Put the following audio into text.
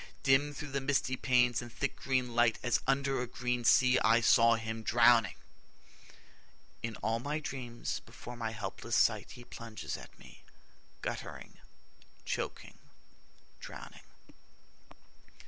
Dim through the misty panes and thick green light, As under a green sea, I saw him drowning. In all my dreams before my helpless sight He plunges at me, guttering, choking, drowning.